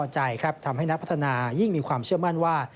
น่าพอใจครับทำให้นักพัฒนายิ่งมีความเชื่อมั่นว่า